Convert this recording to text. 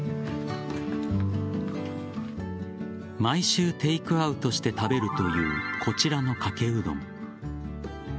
毎週テークアウトして食べるというこちらのかけうどん。